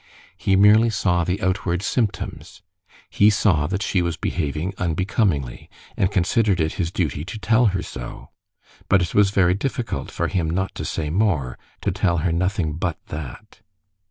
He merely saw the outward symptoms. He saw that she was behaving unbecomingly, and considered it his duty to tell her so. But it was very difficult for him not to say more, to tell her nothing but that.